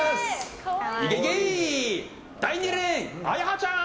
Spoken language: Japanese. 第２レーン、あやはちゃん。